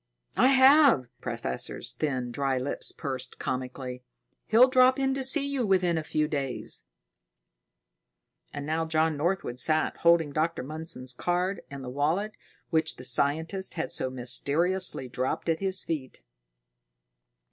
"I have." The professor's thin, dry lips pursed comically. "He'll drop in to see you within a few days." And now John Northwood sat holding Dr. Mundson's card and the wallet which the scientist had so mysteriously dropped at his feet.